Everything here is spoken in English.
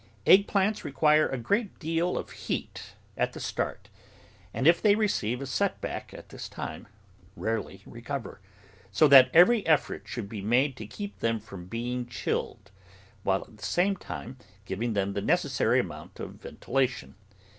Egg plants require a great deal of heat at the start, and if they receive a setback at this time, rarely recover, so that every effort should be made to keep them from being chilled, while at the same time giving them the necessary amount of ventila tion.